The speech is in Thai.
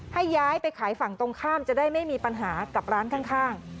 ให้ย้ายไปขายฝั่งตรงข้ามจะได้ไม่มีปัญหากับร้านข้าง